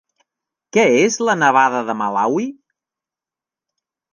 Què és la nevada de Malawi?